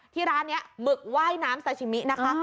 ที่ร้านนี้หมึกว่ายน้ำซาชิมินะคะ